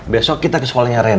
besok kita ke sekolahnya ren